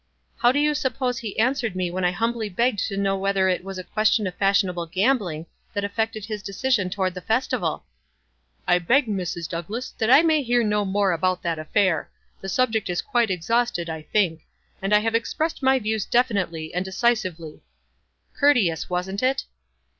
"How do you suppose he answered me when I humbly begged to know whether it was a question of fashionable gambling that af WISE AND OTHERWISE. 55 fected his decision toward the festival? — f I beg, Mrs. Douglass, that I may hear no more about that affair. The subject is quite exhausted, I think ; and I have expressed my views definitely and decisively.' Courteous, wasn't it?"